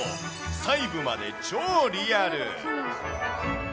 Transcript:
細部まで超リアル。